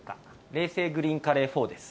冷製グリーンカレーフォーです。